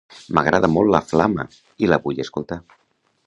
M'agrada molt "La flama" i la vull escoltar.